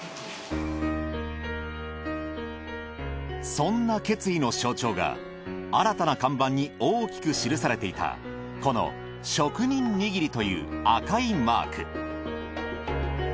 そんな決意の象徴が新たな看板に大きく記されていたこの職人握りという赤いマーク。